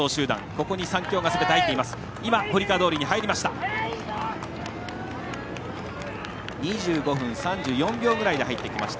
ここに３強がすべて入っています。